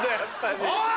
おい！